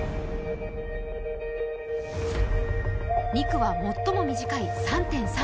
２区は最も短い３．３ｋｍ。